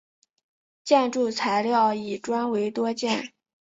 建筑材料以砖为多见。